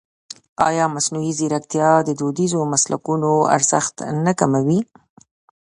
ایا مصنوعي ځیرکتیا د دودیزو مسلکونو ارزښت نه کموي؟